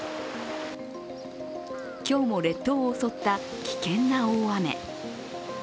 今日も列島を襲った危険な大雨。